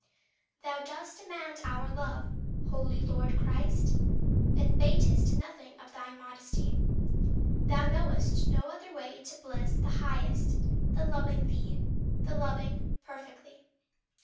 8. Thou dost demand our love, holy Lord Christ, And batest nothing of thy modesty; Thou know'st no other way to bliss the highest Than loving thee, the loving, perfectly.